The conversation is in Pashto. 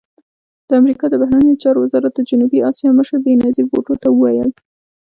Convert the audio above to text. د امریکا د بهرنیو چارو وزارت د جنوبي اسیا مشر بېنظیر بوټو ته وویل